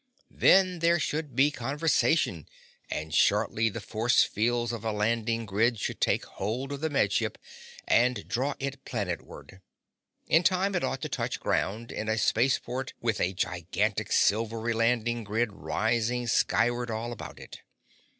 Then there should be conversation, and shortly the force fields of a landing grid should take hold of the Med Ship and draw it planet ward. In time it ought to touch ground in a spaceport with a gigantic, silvery landing grid rising skyward all about it.